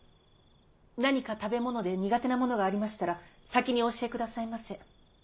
何か食べ物で苦手なものがありましたら先にお教えくださいませ。